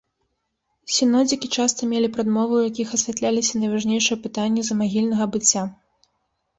Сінодзікі часта мелі прадмовы, у якіх асвятляліся найважнейшыя пытанні замагільнага быцця.